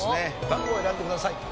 番号を選んでください。